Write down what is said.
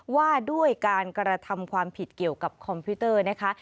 ว่าด้วยการกระทำความผิดเกี่ยวกับคอมพิวเตอร์นะคะ